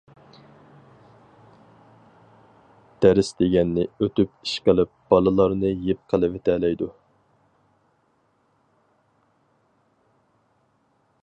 دەرس دېگەننى ئۆتۈپ ئىشقىلىپ بالىلارنى يىپ قىلىۋېتەلەيدۇ.